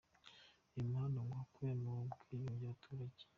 Uyu muhanda ngo wakuye mu bwigunge abaturage.